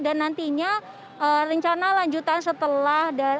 dan nantinya rencana lanjutan setelah